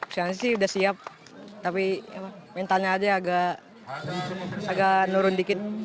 sebenarnya sudah siap tapi mentalnya agak nurun sedikit